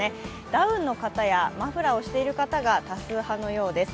ダウンの方やマフラーをしている方が多数派のようです。